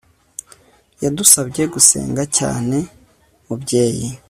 wadusabye gusenga cyane mubyeyi